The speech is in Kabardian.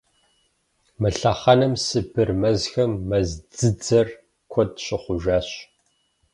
Мы лъэхъэнэм Сыбыр мэзхэм мэз дзыдзэр куэд щыхъужащ.